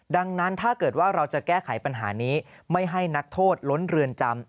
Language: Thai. ดังนั้นถ้าเกิดว่าเราจะแก้ไขปัญหานี้ไม่ให้นักโทษล้นเรือนจำ